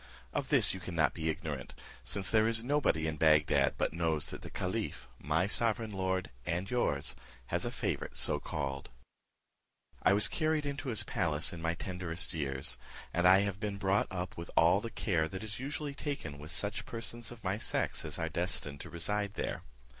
Of this you cannot be ignorant, since there is nobody in Bagdad but knows that the caliph, my sovereign lord and yours, has a favourite so called. "I was carried into his palace in my tenderest years, and I have been brought up with all the care that is usually taken with such persons of my sex as are destined to reside there.